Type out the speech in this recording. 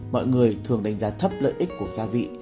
mọi người thường đánh giá thấp lợi ích của gia vị